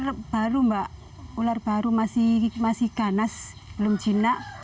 karena baru mbak ular baru masih ganas belum jinak